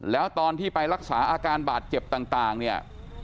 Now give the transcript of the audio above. แล้วตอนที่ไปรักษาอาการบาดเจ็บต่างเนี่ย